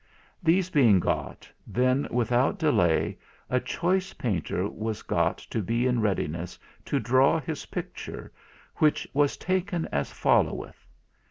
"These being got, then without delay a choice painter was got to be in readiness to draw his picture, which was taken as followeth.